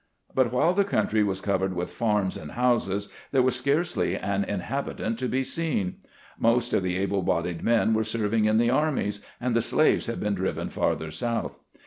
But whUe the country was covered with farms and houses, there was scarcely an inhabitant to be seen. Most of the able bodied men were serving in the armies, and the slaves had been driven farther south.